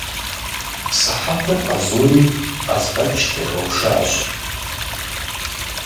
Сыхьэтыр къэзури Къазбэч къигъэушащ.